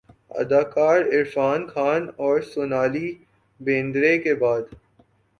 اداکار عرفان خان اورسونالی بیندرے کے بعد